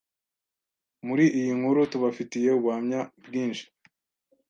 muri iyi nkuru tubafitiye ubuhamya bwinshi